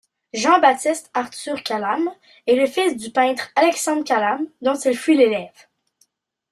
Jean-Baptiste Arthur Calame est le fils du peintre Alexandre Calame dont il fut l'élève.